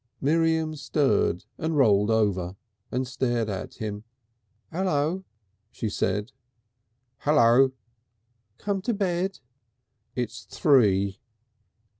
Miriam stirred and rolled over, and stared at him. "Hello!" she said. "Hello." "Come to bed?" "It's three."